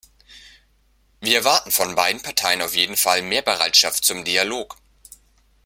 Wir erwarten von beiden Parteien auf jeden Fall mehr Bereitschaft zum Dialog.